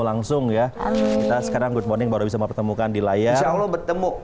langsung ya kita sekarang good morning baru bisa mempertemukan di layar insya allah bertemu